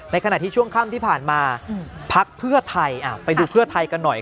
ขณะที่ช่วงค่ำที่ผ่านมาพักเพื่อไทยไปดูเพื่อไทยกันหน่อย